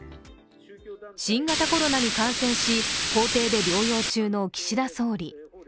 新型コロナに感染し、公邸で療養中の岸田総理。